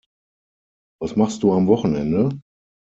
Was machst du am Wochenende?